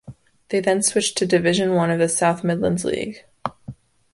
They then switched to Division One of the South Midlands League.